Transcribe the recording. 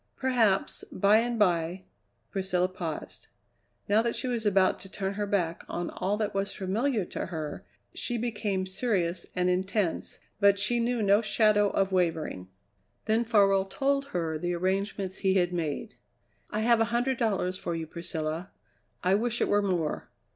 Perhaps, by and by " Priscilla paused. Now that she was about to turn her back on all that was familiar to her, she became serious and intense, but she knew no shadow of wavering. Then Farwell told her the arrangements he had made. "I have a hundred dollars for you, Priscilla. I wish it were more.